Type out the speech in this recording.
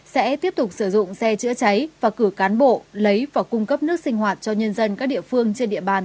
sẽ tiếp tục sử dụng xe chữa cháy và cử cán bộ lấy và cung cấp nước sinh hoạt cho nhân dân các địa phương trên địa bàn